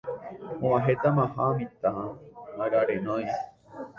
Og̃uahẽtamaha mitãmi arareñói